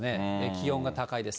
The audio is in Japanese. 気温が高いです。